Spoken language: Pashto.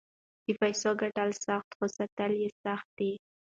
د پیسو ګټل سخت خو ساتل یې سخت دي.